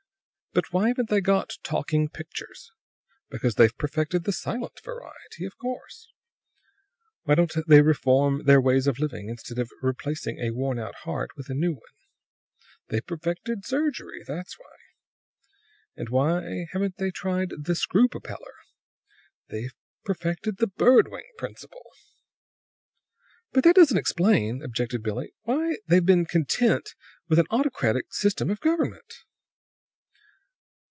"Why haven't they got talking pictures? Because they've perfected the silent variety, of course. Why don't they reform their ways of living, instead of replacing a worn out heart with a new one? They've perfected surgery, that's why! And why haven't they tried the screw propeller? They've perfected the bird wing principle!" "But that doesn't explain," objected Billie, "why they've been content with an autocratic system of government."